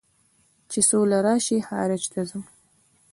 چې سوله راشي خارج ته ځم